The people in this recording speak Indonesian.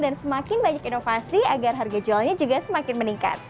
dan semakin banyak inovasi agar harga jualnya juga semakin meningkat